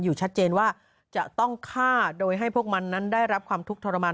ชัดเจนว่าจะต้องฆ่าโดยให้พวกมันนั้นได้รับความทุกข์ทรมาน